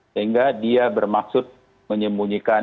sehingga dia bermaksud menyembunyikan